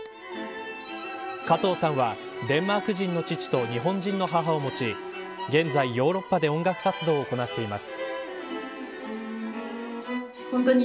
加藤さんは、デンマーク人の父と日本人の母を持ち現在ヨーロッパで音楽活動を行っています。